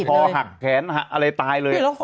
ขอหักแค้นอะไรตายเลย